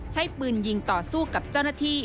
ใช้ปืนยิงต่อสู้กับเจ้าหน้าที่